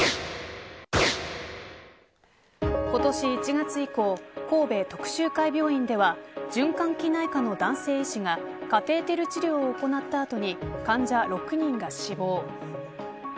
今年１月以降神戸徳洲会病院では循環器内科の男性医師がカテーテル治療を行った後に患者６人が死亡。